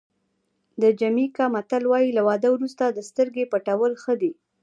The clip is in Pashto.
د جمیکا متل وایي له واده وروسته د سترګې پټول ښه دي.